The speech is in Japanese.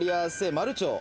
マルチョウ。